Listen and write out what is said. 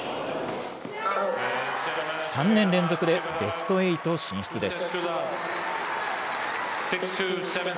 ３年連続でベストエイト進出です。